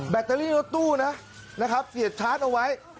เตอรี่รถตู้นะครับเสียดชาร์จเอาไว้